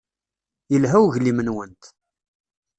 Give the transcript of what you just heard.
Yelha uglim-nwent.